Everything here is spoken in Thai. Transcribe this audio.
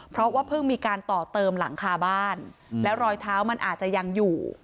เพราะว่าเพิ่งมีการต่อเติมหลังคาบ้านแล้วรอยเท้ามันอาจจะยังอยู่